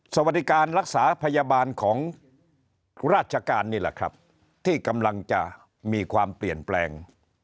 สวัสดีการรักษาพยาบาลของราชการนี่แหละครับที่กำลังจะมีความเปลี่ยนแปลง